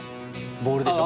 ボールでしょ。